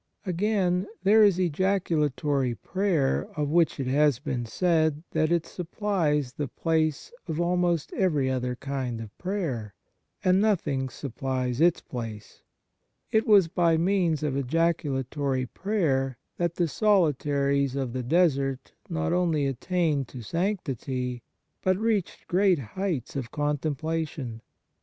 1 Again, there is ejaculatory prayer, of which it has been said that it supplies the place of almost every other kind of prayer, 1 A Retreat by Bishop Hedley, p. 244. 138 ON SOME PREROGATIVES OF GRACE and nothing supplies its place. It was by means of ejaculatory prayer that the solitaries of the desert not only attained to sanctity, but reached great heights of contemplation.